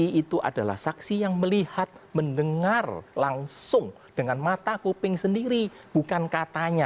saksi itu adalah saksi yang melihat mendengar langsung dengan mata kuping sendiri bukan katanya